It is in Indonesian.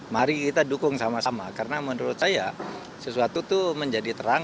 mari kita dukung sama sama karena menurut saya sesuatu itu menjadi terang